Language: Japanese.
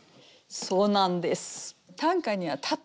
そうなんです。